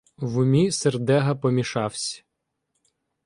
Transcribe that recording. В умі сердега помішавсь